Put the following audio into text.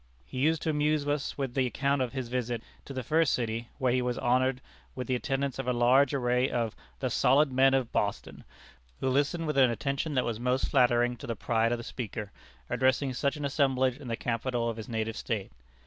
He used to amuse us with the account of his visit to the first city, where he was honored with the attendance of a large array of "the solid men of Boston," who listened with an attention that was most flattering to the pride of the speaker, addressing such an assemblage in the capital of his native State.